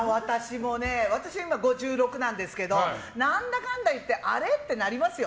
私は今５６なんですけど何だかんだいってあれ？ってなりますよ